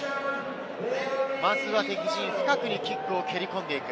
まずは敵陣深くにキックを蹴り込んでいく。